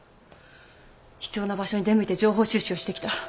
必要な場所に出向いて情報収集をしてきた。